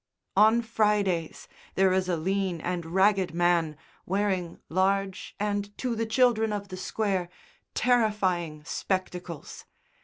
On Fridays there is a lean and ragged man wearing large and, to the children of the Square, terrifying spectacles.